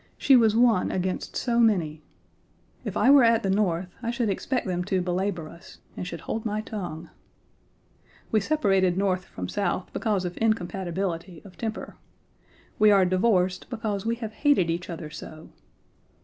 She was one against so many. If I were at the Page 20 North, I should expect them to belabor us, and should hold my tongue. We separated North from South because of incompatibility of temper. We are divorced because we have hated each other so.